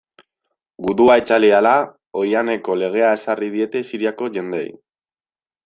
Gudua itzali ahala, oihaneko legea ezarri diete Siriako jendeei.